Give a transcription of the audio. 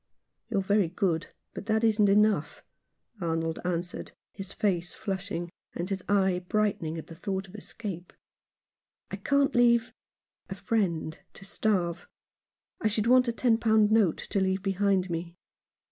"You're very good, but that isn't enough," Arnold answered, his face flushing and his eye brightening at the thought of escape. "I can't leave — a friend — to starve. I should want a ten pound note to leave behind me."